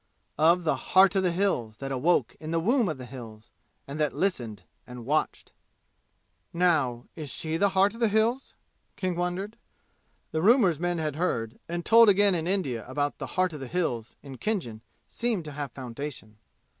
Of the "Heart of the Hills" that awoke in the womb of the "Hills," and that listened and watched. "Now, is she the 'Heart of the Hills'?" King wondered. The rumors men had heard and told again in India, about the "Heart of the Hills" in Khinjan seemed to have foundation.